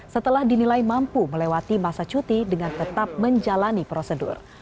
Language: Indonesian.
setelah dinilai mampu melewati masa cuti dengan tetap menjalani prosedur